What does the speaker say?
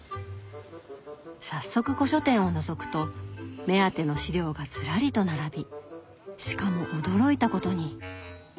早速古書店をのぞくと目当ての資料がずらりと並びしかも驚いたことに。